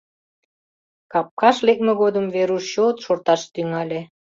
Капкаш лекме годым Веруш чот шорташ тӱҥале.